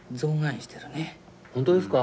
本当ですか？